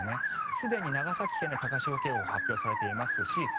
すでに長崎県で高潮警報が発表されていますし